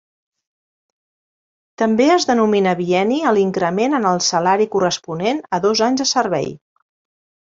També es denomina bienni a l'increment en el salari corresponent a dos anys de servei.